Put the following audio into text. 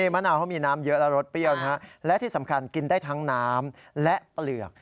มะนาวเขามีน้ำเยอะและรสเปรี้ยวนะฮะและที่สำคัญกินได้ทั้งน้ำและเปลือก